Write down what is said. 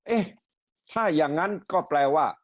เอ๊ะถ้าอย่างนั้นก็แปลว่า